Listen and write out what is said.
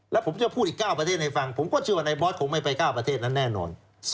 แล้วผมจะพูดอีก๙ประเทศให้ฟังผมก็เชื่อว่านายบอสคงไม่ไป๙ประเทศนั้นแน่นอน